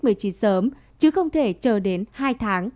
covid một mươi chín sớm chứ không thể chờ đến hai tháng